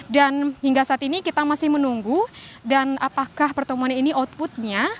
dan hingga saat ini kita masih menunggu dan apakah pertemuan ini outputnya